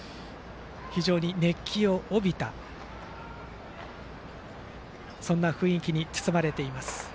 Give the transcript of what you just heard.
非常に熱気を帯びた雰囲気に包まれています。